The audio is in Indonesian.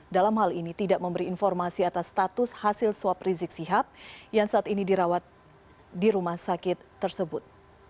dalam hal ini tidak memberi informasi atas status hasil swab rizik sihab yang saat ini dirawat di rumah sakit tersebut